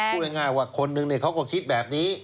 เป็นพื้นที่สีแดง